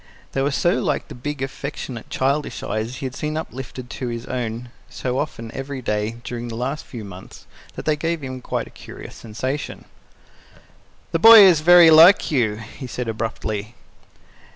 They were so like the big, affectionate, childish eyes he had seen uplifted to his own so often every day during the last few months, that they gave him a quite curious sensation. "The boy is very like you," he said abruptly.